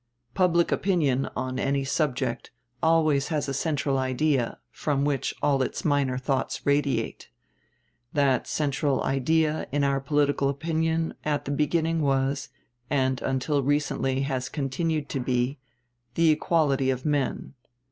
Public opinion, on any subject, always has a "central idea," from which all its minor thoughts radiate. That "central idea" in our political public opinion at the beginning was, and until recently has continued to be, "the equality of men."